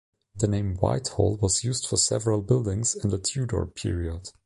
The name Whitehall was used for several buildings in the Tudor period.